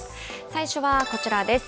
最初はこちらです。